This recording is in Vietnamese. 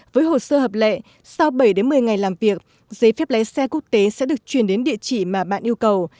với hồ sơ hợp lệ sau bảy một mươi ngày làm việc giấy phép lái xe quốc tế sẽ được chuyển đến địa chỉ mà bạn yêu cầu